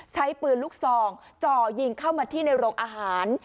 ใช้ปืนลูกซองจ่อยิงเข้ามาที่ในโรงอาหาร